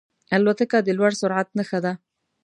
الوتکه د لوړ سرعت نښه ده.